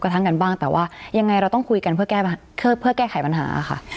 กระทั่งกันบ้างแต่ว่ายังไงเราต้องคุยกันเพื่อแก้ไขปัญหาค่ะ